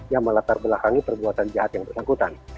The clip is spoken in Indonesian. yang melatar belakangi perbuatan jahat yang bersangkutan